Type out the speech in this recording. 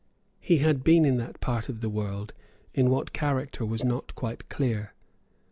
He had been in that part of the world, in what character was not quite clear.